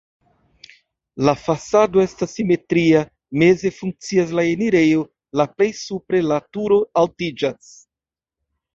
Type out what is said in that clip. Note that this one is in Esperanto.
La fasado estas simetria, meze funkcias la enirejo, la plej supre la turo altiĝas.